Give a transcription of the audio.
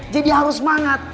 jadi harus semangat